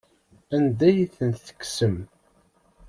Anda ay ten-tekksem?